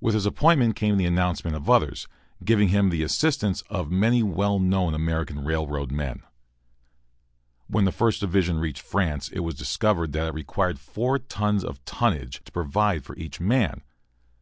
With his appointment came the announcement of others, giving him the assistance of many well known American railroad men. When the First Division reached France it was discovered that it required four tons of tonnage to provide for each man.